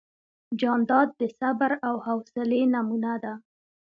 جانداد د صبر او حوصلې نمونه ده.